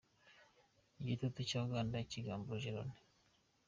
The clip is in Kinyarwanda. Igitutu cya Uganda kigamburuje loni